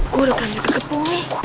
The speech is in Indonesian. gua udah keren juga ke pumi